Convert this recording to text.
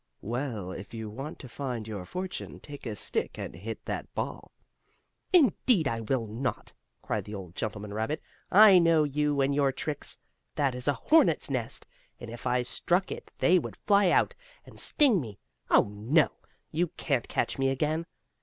"Well, if you want to find your fortune, take a stick and hit that ball." "Indeed I will not!" cried the old gentleman rabbit. "I know you and your tricks! That is a hornets' nest, and if I struck it they would fly out, and sting me. Oh, no! You can't catch me again.